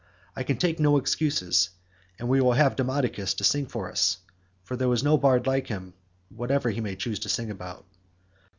I can take no excuses, and we will have Demodocus to sing to us; for there is no bard like him whatever he may choose to sing about."